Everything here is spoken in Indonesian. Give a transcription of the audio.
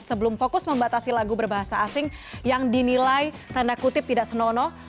sebelum fokus membatasi lagu berbahasa asing yang dinilai tanda kutip tidak senonoh